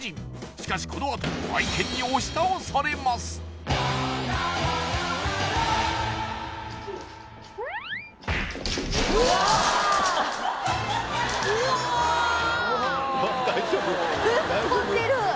しかしこのあと愛犬に押し倒されますうわわあ吹っ飛んでる